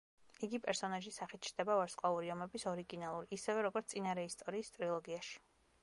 იგი პერსონაჟის სახით ჩნდება ვარსკვლავური ომების ორიგინალურ, ისევე, როგორც წინარეისტორიის ტრილოგიაში.